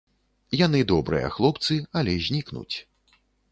Яны добрыя хлопцы, але знікнуць.